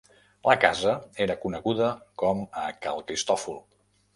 La casa era coneguda com a Cal Cristòfol.